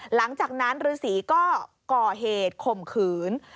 หลังจากนั้นฤษีก็ก่อเหตุข่มขืน